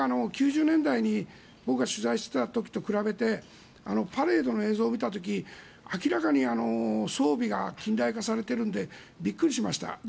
９０年代に僕が取材してた時と比べてパレードの映像を見た時に明らかに装備が近代化されているのでびっくりしました。